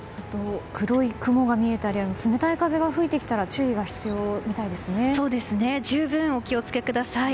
黒い雲が見えたり冷たい風が吹いてきたら十分お気をつけください。